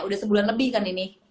udah sebulan lebih kan ini